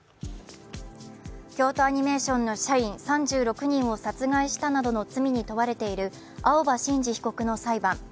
京都アニメーションの社員３６人を殺害したなどの罪に問われている青葉真司被告の裁判。